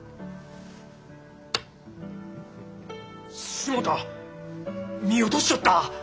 しもた見落としちょった！